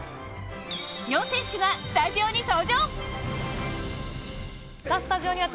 ４選手がスタジオに登場。